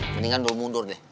mendingan lo mundur deh